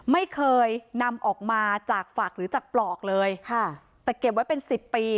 ไม่เคยนำออกมาจากฝักหรือจากปลอกเลยค่ะแต่เก็บไว้เป็นสิบปี